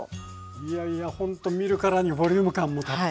いやいやほんとに見るからにボリューム感もたっぷりでね。